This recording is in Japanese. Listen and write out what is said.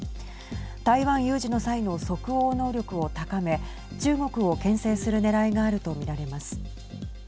台湾有事の際の即応能力を高め中国をけん制するねらいがあると見られます。